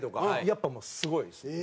やっぱもうすごいですよ。